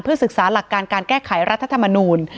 ศึกษาหลักการการแก้ไขรัฐธรรมนูล